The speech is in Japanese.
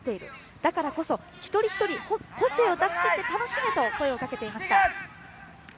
だからこそ一人一人、個性を出しきって楽しめと声をかけていました。